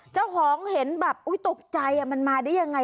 เจ้าของเห็นแบบตกใจมันมาได้ยังไง